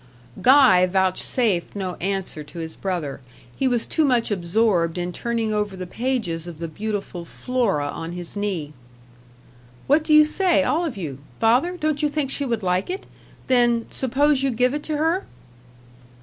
Guy vouchsafed no answer to his brother; he was too much absorbed in turning over the pages of the beautiful Flora on his knee. "What do you say, all of you? Father, don't you think she would like it? Then, suppose you give it to her?"